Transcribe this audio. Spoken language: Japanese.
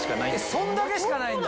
そんだけしかないんだ？